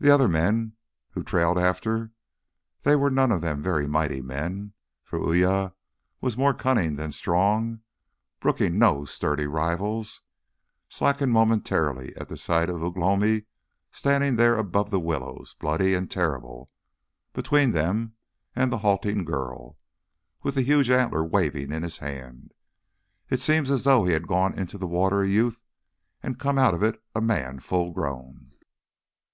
The other men who trailed after they were none of them very mighty men (for Uya was more cunning than strong, brooking no sturdy rivals) slackened momentarily at the sight of Ugh lomi standing there above the willows, bloody and terrible, between them and the halting girl, with the huge antler waving in his hand. It seemed as though he had gone into the water a youth, and come out of it a man full grown.